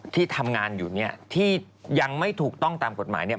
ที่ทำงานอยู่ที่ยังไม่ถูกต้องตามกฎหมาย